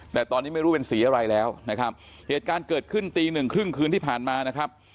แต่ตอนนี้ไม่รู้เป็นสีอะไรแล้วนะครับเหตุการณ์เกิดขึ้นตีหนึ่งครึ่งคืนที่ผ่านมานะครับ